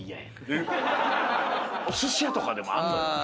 おすし屋とかでもあんの。